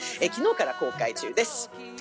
昨日から公開中です。